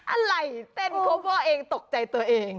อะไรเต้นพ่อเองตกใจตัวเอง